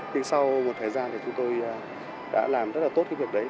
nhưng sau một thời gian thì chúng tôi đã làm rất là tốt cái việc đấy